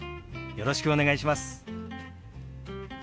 よろしくお願いします。